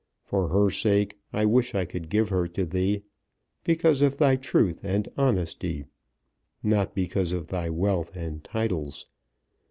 For her sake I wish I could give her to thee, because of thy truth and honesty; not because of thy wealth and titles.